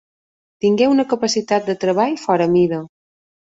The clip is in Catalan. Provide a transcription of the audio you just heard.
Tingué una capacitat de treball fora mida.